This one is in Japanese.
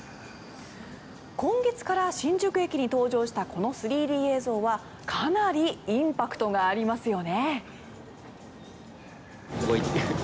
今月から新宿駅に登場したこの３Ｄ映像はかなりインパクトがありますよね。